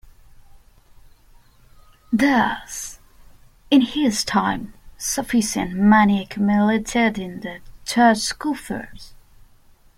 Thus, in his time, sufficient money accumulated in the Church coffers.